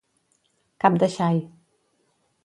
Cap de xai.